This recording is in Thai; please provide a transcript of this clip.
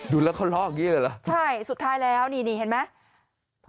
ดูแล้วเขาลอกอย่างนี้เลยเหรอใช่สุดท้ายแล้วนี่นี่เห็นไหม